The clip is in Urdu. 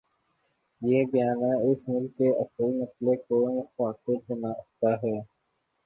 یہ بیانیہ اس ملک کے اصل مسئلے کو مخاطب بناتا ہے۔